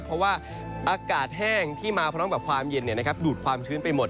เพราะว่าอากาศแห้งที่มาพร้อมกับความเย็นดูดความชื้นไปหมด